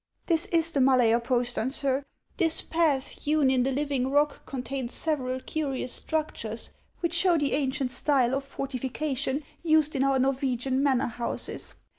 " This is the Mala'er postern, sir. This path hewn in the living rock contains several curious structures, which show the ancient style of fortification used in our Xor wegian manor houses.